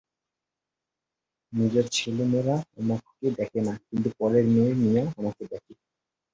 নিজের ছেলেমেয়েরা আমাকে দেখে না, কিন্তু পরের মেয়ে মিয়া আমাকে দেখে।